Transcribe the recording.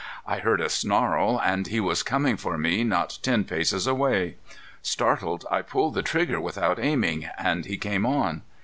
"I heard a snarl, and he was coming for me not ten paces away. Startled, I pulled the trigger without aiming, and he came on.